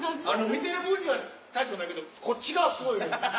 見てる分には大したことないけどこっち側すごいよね。